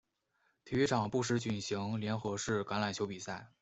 体育场不时举行联合式橄榄球比赛。